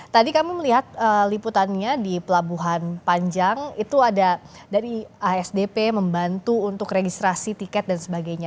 tadi kami melihat liputannya di pelabuhan panjang itu ada dari asdp membantu untuk registrasi tiket dan sebagainya